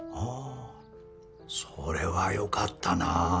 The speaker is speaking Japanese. あそれはよかったなぁ。